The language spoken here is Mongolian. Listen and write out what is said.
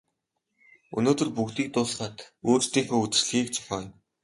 Өнөөдөр бүгдийг дуусгаад өөрсдийнхөө үдэшлэгийг зохиоё.